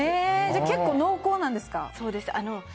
じゃあ結構濃厚なんですか。